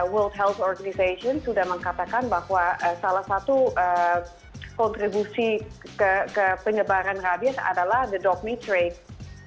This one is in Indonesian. world health organization sudah mengatakan bahwa salah satu kontribusi ke penyebaran rabies adalah the dogmate rate